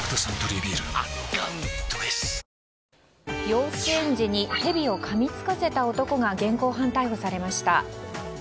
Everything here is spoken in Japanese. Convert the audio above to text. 幼稚園児にヘビをかみ付かせた男が現行犯逮捕されました。